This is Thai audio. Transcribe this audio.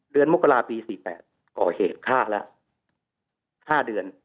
มกราปี๔๘ก่อเหตุฆ่าแล้ว๕เดือน